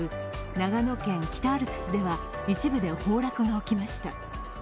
長野県北アルプスでは一部で崩落が起きました。